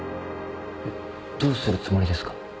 どうするつもりですか？